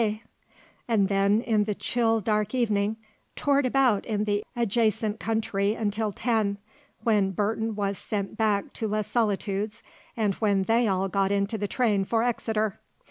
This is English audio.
_" and then, in the chill, dark evening, toured about in the adjacent country until ten, when Burton was sent back to Les Solitudes and when they all got into the train for Exeter.